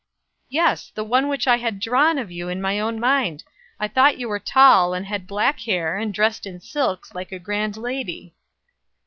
"Yes, the one which I had drawn of you in my own mind. I thought you were tall, and had black hair, and dressed in silks, like a grand lady."